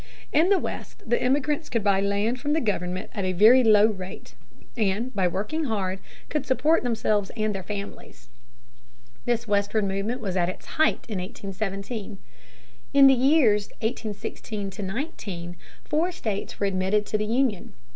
In the West the emigrants could buy land from the government at a very low rate, and by working hard could support themselves and their families. This westward movement was at its height in 1817. In the years 1816 19, four states were admitted to the Union.